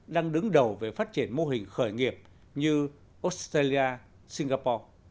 đang đứng đầu về phát triển mô hình khởi nghiệp